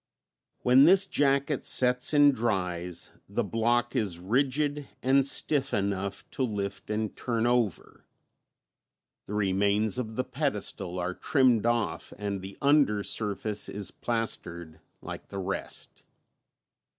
When this jacket sets and dries the block is rigid and stiff enough to lift and turn over; the remains of the pedestal are trimmed off and the under surface is plastered like the rest.